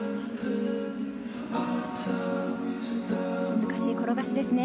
難しい転がしですね。